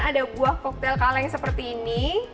ada buah koktel kaleng seperti ini